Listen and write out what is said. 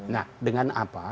nah dengan apa